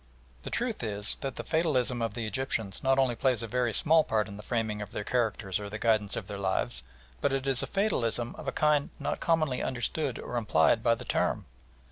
The truth is that the fatalism of the Egyptians not only plays a very small part in the framing of their characters or the guidance of their lives, but it is a fatalism of a kind not commonly understood or implied by the term.